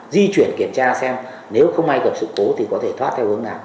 di chuyển kiểm tra xem nếu không ai cập sự cố thì có thể thoát theo hướng nào